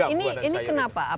nah ini kenapa